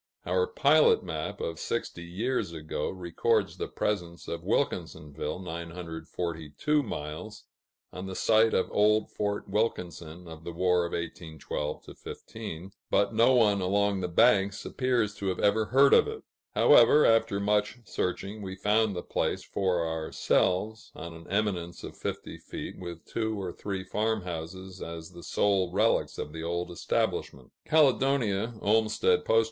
Our pilot map, of sixty years ago, records the presence of Wilkinsonville (942 miles), on the site of old Fort Wilkinson of the War of 1812 15, but no one along the banks appears to have ever heard of it; however, after much searching, we found the place for ourselves, on an eminence of fifty feet, with two or three farm houses as the sole relics of the old establishment. Caledonia (Olmstead P.O.)